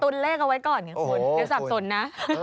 เผื่อตุ้นเลขเอาไว้ก่อนเนี่ยคุณเดี๋ยวสั่งตุ้นนะ